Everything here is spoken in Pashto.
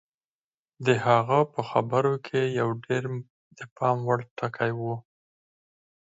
د هغه په خبرو کې یو ډېر د پام وړ ټکی و